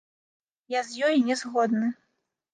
Я з ёй не згодны.